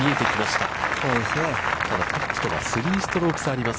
ただ、トップとは３ストローク差あります。